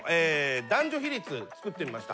男女比率作ってみました。